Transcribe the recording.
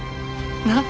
なあ。